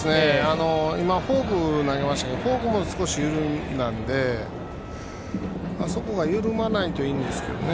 今フォークを投げましたがフォークも少し緩んだのでそこが緩まないといいんですけどね。